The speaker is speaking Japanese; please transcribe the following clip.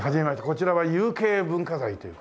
こちらは有形文化財という事で。